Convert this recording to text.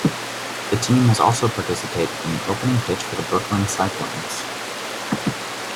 The team has also participated in the opening pitch for the Brooklyn Cyclones.